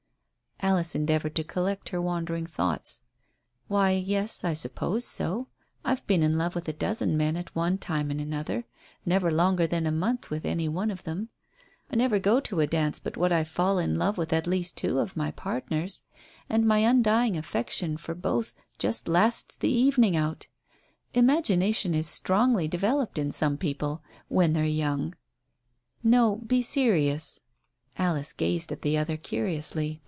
Alice endeavoured to collect her wandering thoughts. "Why, yes, I suppose so. I've been in love with a dozen men at one time and another, never longer than a month with any one of them. I never go to a dance but what I fall in love with at least two of my partners, and my undying affection for both just lasts the evening out. Imagination is strongly developed in some people when they're young." "No, be serious." Alice gazed at the other curiously.